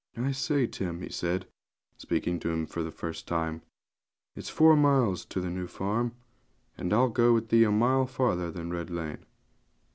'I say, Tim,' he said, speaking to him for the first time, 'it's four miles to the New Farm, and I'll go with thee a mile farther than Red Lane.'